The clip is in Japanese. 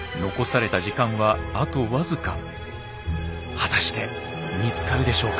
果たして見つかるでしょうか？